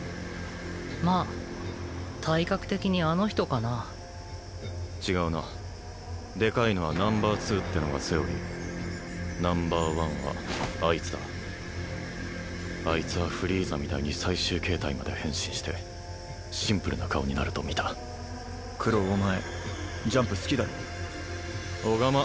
まあ体格的にあの人かな違うなでかいのはナンバーツーってのがセオリーナンバーワンはあいつだあいつはフリーザみたいに最終形態まで変身してシンプルな顔になるとみた九郎お前